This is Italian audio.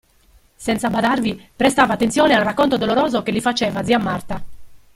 Senza badarvi, prestava attenzione al racconto doloroso che gli faceva zia Marta.